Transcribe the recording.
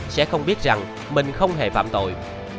sẽ không biết rằng mình không hề phạm tội